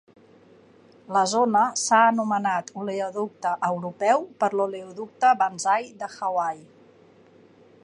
La zona s'ha anomenat "Oleoducte Europeu", per l'oleoducte Banzai de Hawai.